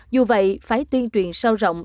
dù vậy phải tuyên truyền sâu rộng